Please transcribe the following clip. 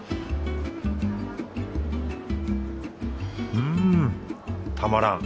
うんたまらん。